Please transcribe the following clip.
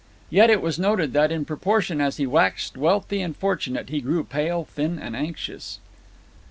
Yet it was noted that in proportion as he waxed wealthy and fortunate, he grew pale, thin, and anxious.